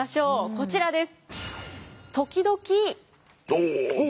こちらです。